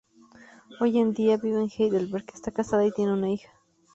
Hoy en día vive en Heidelberg, está casada y tiene una hija.